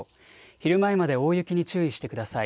昼前まで大雪に注意してください。